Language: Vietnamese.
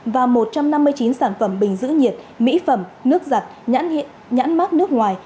và một trăm năm mươi chín sản phẩm bình giữ nhiệt mỹ phẩm nước giặt nhãn mát nước ngoài